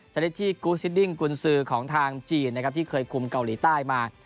ชนิดที่กูซิดดิ้งกุญสือของทางจีนนะครับที่เคยคุมเกาหลีใต้มา